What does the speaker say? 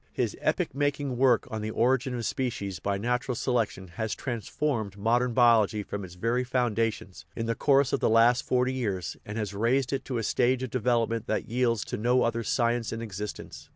His epoch making work on The Origin of Spe cies by Natural Selection has transformed modern biol ogy from its very foundations, in the course of the last forty years, and has raised it to a stage of development that yields to no other science in existence.